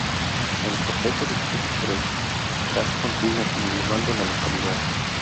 El cortejo discurre por el casco antiguo medieval de la localidad.